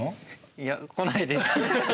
いや来ないです。